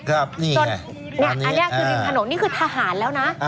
กลิ่นถนนนี่คือทหารแล้วน่ะ